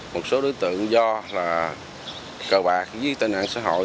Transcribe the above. một số đối tượng do là cơ bạc với tài nạn xã hội